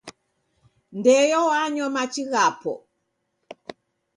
Ndeyo wanywa machi ghapo.